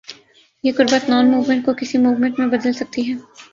یہ قربت non movement کو کسی موومنٹ میں بدل سکتی ہے۔